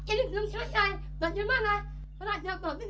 asistennya babi asistennya raja nabi